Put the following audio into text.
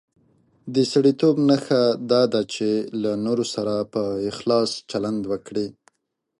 د سړیتوب نښه دا ده چې له نورو سره په اخلاص چلند وکړي.